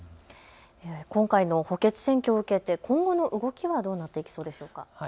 今回の補欠選挙を受けて今後の動きはどうなっていきそうでしょうか。